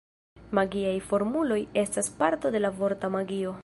Magiaj formuloj estas parto de la vorta magio.